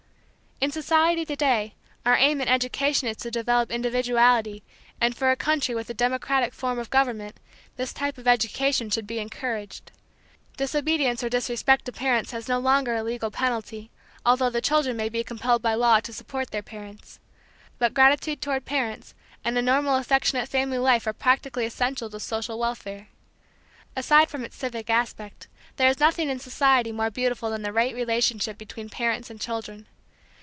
In society to day our aim in education is to develop individuality and for a country with a democratic form of government this type of education should be encouraged. Disobedience or disrespect ho parents has no longer a legal penalty, although the children may be compelled by law to support their parents. But gratitude toward parents and a normal affectionate family life are practically essential to social welfare. Aside from its civic aspect, there is nothing in society more beautiful than the right relationship between parents and children.